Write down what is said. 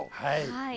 はい。